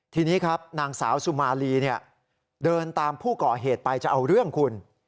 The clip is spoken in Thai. ทีนี้ครับนางสาวสุมาลีเดินตามผู้ก่อเหตุไปจะเอาเรื่องคุณ